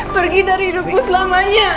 turgi dari hidupku selamanya